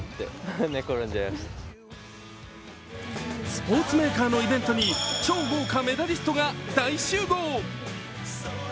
スポーツメーカーのイベントに超豪華メダリストが大集合。